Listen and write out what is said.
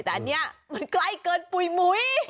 แต่อันนี้มันใกล้เกินปุ๋ยหมุย